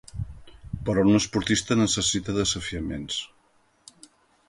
Però un esportista necessita desafiaments.